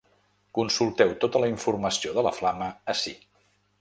Consulteu tota la informació de la flama ací.